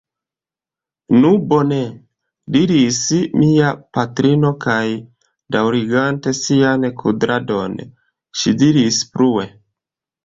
Nu, bone, diris mia patrino, kaj daŭrigante sian kudradon, ŝi diris plue: